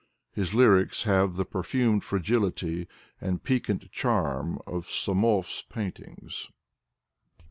His lyrics have the jferfumed fragility and piquant charm of SomoVs paintings.